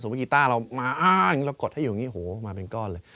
สมมุติกีตาร์เรามาเรากดให้อยู่อย่างนี้โหมาเป็นก้อนเลย